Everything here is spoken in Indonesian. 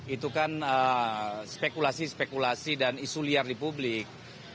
itu kan spekulasi spekulasi dan isu liar di publik